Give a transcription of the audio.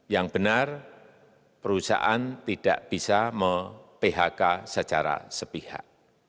yang benar perusahaan tidak bisa mem phk secara sepihak